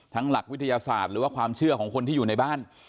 หลักวิทยาศาสตร์หรือว่าความเชื่อของคนที่อยู่ในบ้าน